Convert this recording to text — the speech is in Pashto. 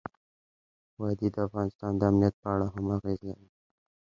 وادي د افغانستان د امنیت په اړه هم اغېز لري.